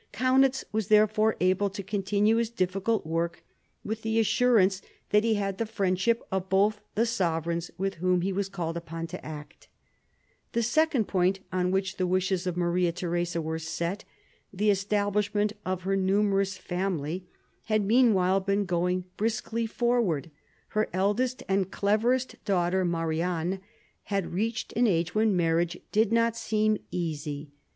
Kaunitz was therefore able to continue his difficult work, with the assurance that he had the friendship of both the sovereigns with whom he was called upon to act The second point on which the wishes of Maria Theresa were set — the establishment of her numerous family — had meanwhile been going briskly forward. Her eldest and cleverest daughter, Marianne, had reached an age when marriage did not seem easy.